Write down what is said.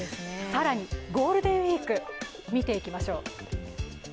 更にゴールデンウイーク見ていきましょう。